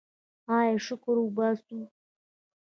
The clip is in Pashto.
آیا شکر وباسو؟